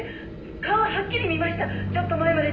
「顔ははっきり見ました」